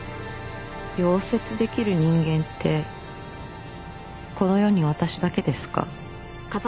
溶接できる人間ってこの世に私だけですか？